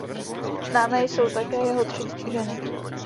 Známé jsou také jeho tři ženy.